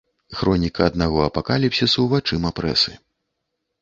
Хроніка аднаго апакаліпсісу вачыма прэсы.